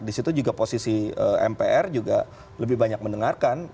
di situ juga posisi mpr juga lebih banyak mendengarkan